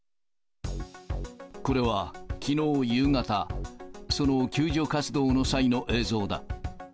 これはきのう夕方、その救助活動の際の映像だ。